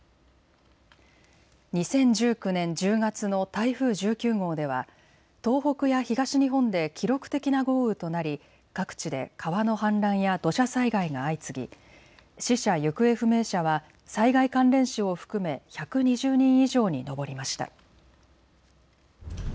２０１９年１０月の台風１９号では東北や東日本で記録的な豪雨となり各地で川の氾濫や土砂災害が相次ぎ死者・行方不明者は災害関連死を含め１２０人以上に上りました。